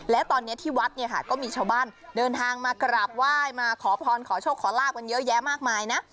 และตอนนี้ที่วัดเนี่ยค่ะก็มีชาวบ้านเดินทางมากราบไหว้มาขอพรขอโชคขอลาบกันเยอะแยะมากมายนะ